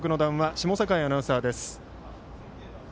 下境アナウンサーです。